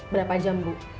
berapa jam bu